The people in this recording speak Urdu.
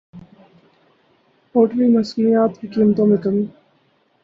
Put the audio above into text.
پولٹری مصنوعات کی قیمتوں میں کمی